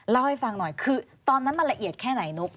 เล่าให้ฟังหน่อยคือตอนนั้นมันละเอียดแค่ไหนนุ๊ก